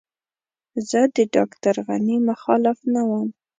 زه د ډاکټر غني مخالف نه وم.